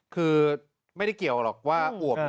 คือไม่ได้เกี่ยวหรอกว่าอวบ